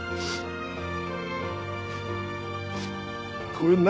ごめんな。